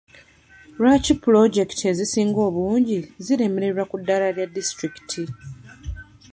Lwaki puloojekiti ezisinga obungi ziremererwa ku ddaala lya disitulikiti?